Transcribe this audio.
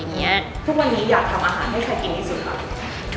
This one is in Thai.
ทุกวันนี้อยากทำอาหารให้ชัดเจนที่สุดค่ะ